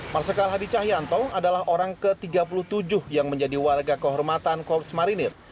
marsikal hadi cahyanto adalah orang ke tiga puluh tujuh yang menjadi warga kehormatan korps marinir